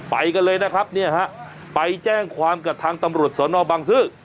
ไปกันเลยนะครับเนี่ยฮะไปแจ้งความกับทางตำรวจสนบังซื้อ